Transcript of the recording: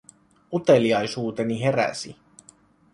Uteliaisuuteni heräsi.